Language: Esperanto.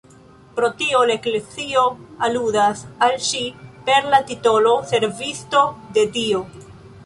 Pro tio, la Eklezio aludas al ŝi per la titolo Servisto de Dio.